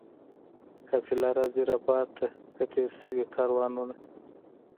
قافله راځي ربات ته که تېر سوي کاروانونه؟